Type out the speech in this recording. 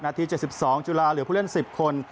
ที่๗๒จุฬาเหลือผู้เล่น๑๐คน